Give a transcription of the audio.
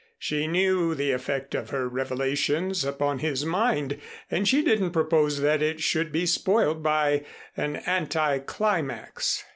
She knew the effect of her revelations upon his mind and she didn't propose that it should be spoiled by an anti climax.